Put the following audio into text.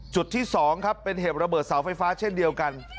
จุดที่๒ครับเป็นเหตุระเบิดเสาไฟฟ้าเช่นเดียวกัน